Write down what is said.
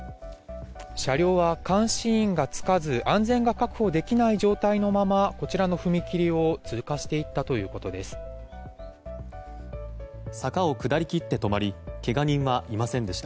車両は監視員がつかず安全が確保できない状態のままこちらの踏切を通過していったということです。